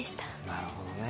なるほどね。